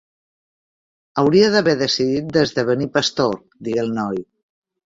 "Hauria d'haver decidit d'esdevenir pastor", digué el noi.